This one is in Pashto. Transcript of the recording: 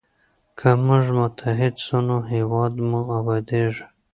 که موږ متحد سو نو هیواد مو ابادیږي.